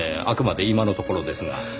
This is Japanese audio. あくまで今のところですが。